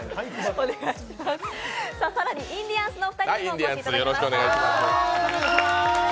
更にインディアンスのお二人にもお越しいただきました。